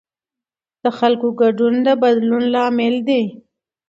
د خلکو ګډون د بدلون لامل دی